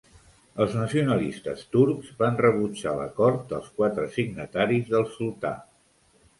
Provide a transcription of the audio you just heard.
Els nacionalistes turcs van rebutjar l'acord dels quatre signataris del sultà.